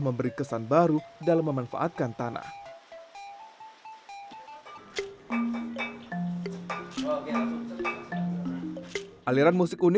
misalnya hal industri